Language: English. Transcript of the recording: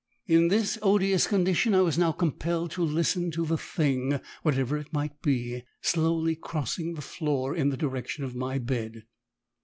In this odious condition I was now compelled to listen to the Thing whatever it might be slowly crossing the floor in the direction of my bed.